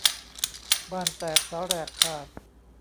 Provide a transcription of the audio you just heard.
บ้านแตกสาแหรกขาด